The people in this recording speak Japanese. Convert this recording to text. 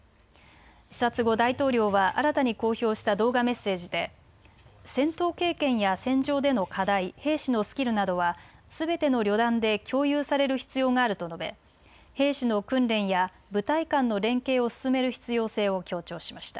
視察後、大統領は新たに公表した動画メッセージで戦闘経験や戦場での課題、兵士のスキルなどはすべての旅団で共有される必要があると述べ兵士の訓練や部隊間の連携を進める必要性を強調しました。